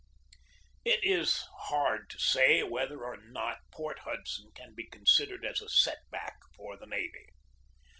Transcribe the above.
It is hard to say whether or not Port Hudson can be considered as a set back for the navy.